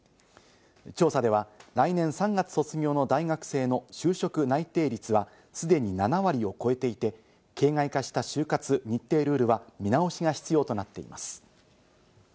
調査では、来年３月卒業の大学生の就職内定率は、既に７割を超えていて、形骸化した就活日程ルールは見直しが必要となっています。